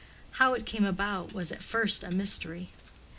How it came about was at first a mystery.